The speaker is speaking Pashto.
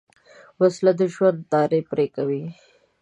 وسله د ژوند تار پرې کوي